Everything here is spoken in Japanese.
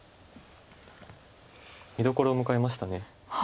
見どころを迎えました。